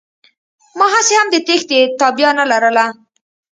ما هسې هم د تېښتې تابيا نه لرله.